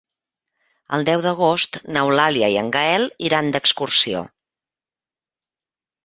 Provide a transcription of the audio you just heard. El deu d'agost n'Eulàlia i en Gaël iran d'excursió.